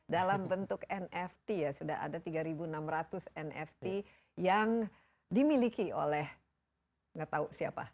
dalam bentuk nft ya sudah ada tiga enam ratus nft yang dimiliki oleh nggak tahu siapa